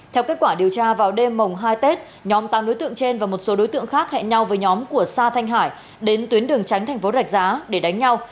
theo kết quả điều tra vào đêm mồng hai tết nhóm tám đối tượng trên và một số đối tượng khác hẹn nhau với nhóm của sa thanh hải đến tuyến đường tránh thành phố rạch giá để đánh nhau